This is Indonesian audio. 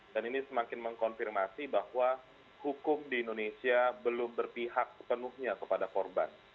dan ini semakin mengkonfirmasi bahwa hukum di indonesia belum berpihak sepenuhnya kepada korban